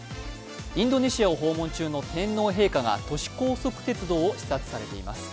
インドネシアを訪問中の天皇陛下が都市高速鉄道を視察されています。